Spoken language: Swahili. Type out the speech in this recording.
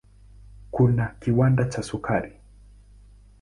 Kuna kiwanda cha sukari.